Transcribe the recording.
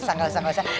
hahah gak usah gak usah